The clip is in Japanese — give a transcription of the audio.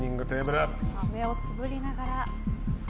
目をつぶりながら。